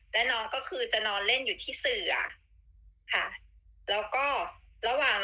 แต่ก็คืออยู่ใกล้น้องแหละ